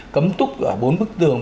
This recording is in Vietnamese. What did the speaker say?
cấm túc ở bốn bức tường